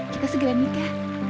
kita segera nikah